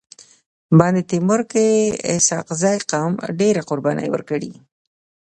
بند تيمور کي اسحق زي قوم ډيري قرباني ورکړي.